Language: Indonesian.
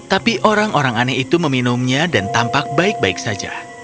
tapi orang orang aneh itu meminumnya dan tampak baik baik saja